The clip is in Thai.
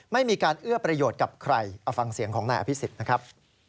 ไม่มีการเอื้อประโยชน์กับใครเอาฟังเสียงของนายอภิษฎนะครับ